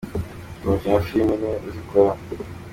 Ndi umukinnyi wa filimi, niwe uzikora.